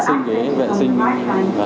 tương tự các khóa khác đều như vậy